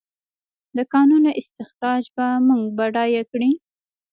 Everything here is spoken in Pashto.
د کانونو استخراج به موږ بډایه کړي؟